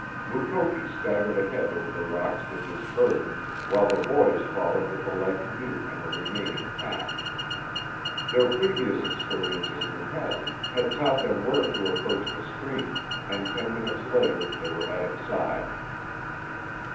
Mukoki staggered ahead over the rocks with his burden while the boys followed with the light canoe and the remaining pack. Their previous experiences in the chasm had taught them where to approach the stream, and ten minutes later they were at its side.